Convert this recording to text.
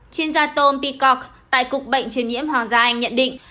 chuyên gia tom peacock tại cục bệnh truyền nhiễm hoàng gia anh nhận định